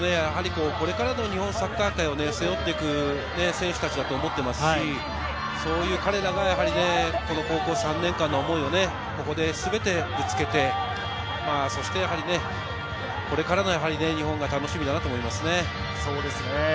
これからの日本サッカー界を背負っていく選手たちだと思っていますし、そういう彼らがやはり、この高校３年間の思いをここで全てぶつけて、これからの日本が楽しみだなと思いますね。